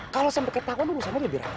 kalau sampai ketahuan urusan aja lebih rata